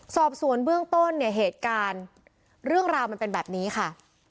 สอบสวนเบื้องต้นเนี่ยเหตุการณ์เรื่องราวมันเป็นแบบนี้ค่ะ